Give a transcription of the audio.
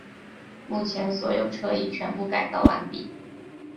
目前所有车已全部改造完毕。